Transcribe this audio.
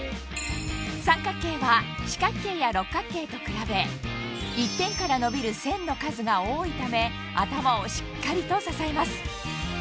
三角形は四角形や六角形と比べ一点から伸びる線の数が多いため頭をしっかりと支えます